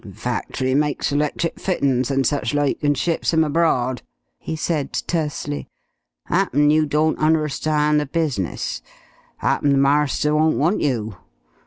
"Factory makes electric fittin's an' such like, an' ships 'em abroad," he said, tersely. "Happen you don't unnerstan' the business? Happen the marster won't want you.